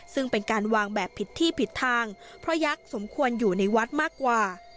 ซึ่งเป็นการวางแบบผิดที่ผิดทางเพราะยักษ์สมควรอยู่ในวัดมากกว่า